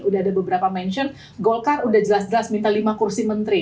udah ada beberapa mention golkar udah jelas jelas minta lima kursi menteri